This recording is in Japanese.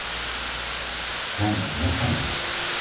何か申されてましたか。